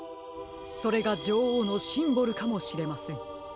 それがじょおうのシンボルかもしれません。